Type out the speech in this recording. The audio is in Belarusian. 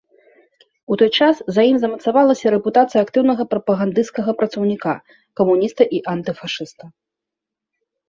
У той час за ім замацавалася рэпутацыя актыўнага прапагандысцкага працаўніка, камуніста і антыфашыста.